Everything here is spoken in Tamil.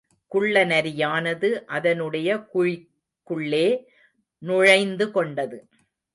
குள்ள நரியானது அதனுடைய குழிக்குள்ளே நுழைந்து கொண்டது.